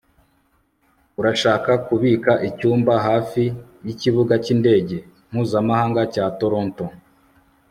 urashaka kubika icyumba hafi yikibuga cyindege mpuzamahanga cya toronto